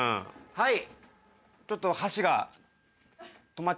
はい。